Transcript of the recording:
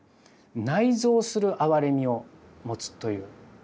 「内蔵するあわれみを持つ」という。